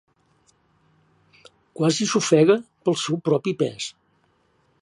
Quasi s'ofega pel seu propi pes.